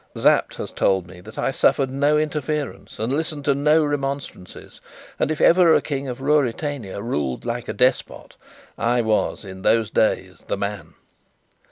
Sapt has told me that I suffered no interference and listened to no remonstrances; and if ever a King of Ruritania ruled like a despot, I was, in those days, the man.